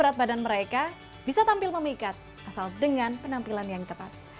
tidak tampil memikat asal dengan penampilan yang tepat